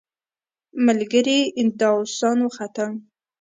ملګري داووسان وختل.